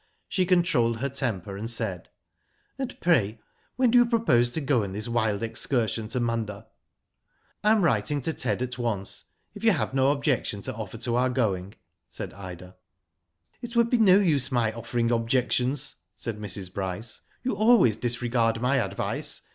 She controlled her temper, and said: "And pray when do you propose to go on this wild excursion to Munda?" Digitized byGoogk TIP'O GIRLS, 69 "I am writing to Ted at once, if you have no objection to oflFer to our going/^ said Ida. *' It would be no use my offering objections," said Mrs. Bryce. *^\o\i always disregard my advice.